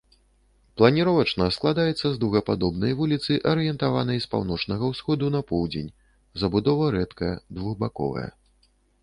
Планіровачна складаецца з дугападобнай вуліцы, арыентаванай з паўночнага ўсходу на поўдзень, забудова рэдкая, двухбаковая.